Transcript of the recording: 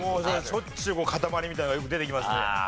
しょっちゅう塊みたいなのがよく出てきますね。